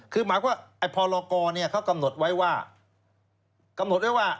คือหมายความว่าพลกเขากำหนดไว้ว่า